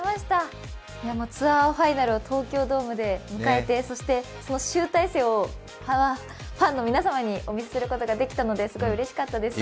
ツアーファイナルを東京ドームで迎えて、そしてその集大成をファンの皆様にお見せすることができたのでうれしかったです。